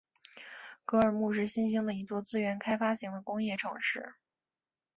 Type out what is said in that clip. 格尔木是新兴的一座资源开发型的工业城市。